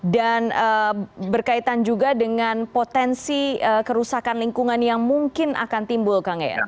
dan berkaitan juga dengan potensi kerusakan lingkungan yang mungkin akan timbul